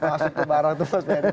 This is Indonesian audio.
masuk ke barang itu mas beri